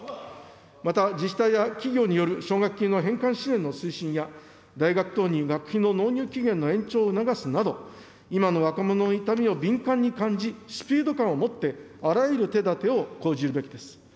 また、自治体や企業による奨学金の返還支援の推進や、大学等に学費の納入期限の延長を促すなど、今の若者の痛みを敏感に感じ、スピード感をもってあらゆる手だてを講じるべきです。